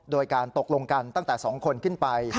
โดยการตกลงกันตั้งแต่๒คนขึ้นไป